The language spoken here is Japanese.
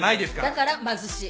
だから貧しい。